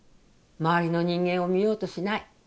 周りの人間を見ようとしない。